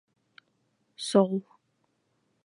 Sole.